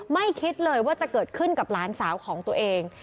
ไม่คิดเลยว่าจะเกิดขึ้นกับหลานสาวของตัวเอง